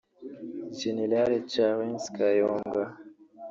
Gen Charles Kayonga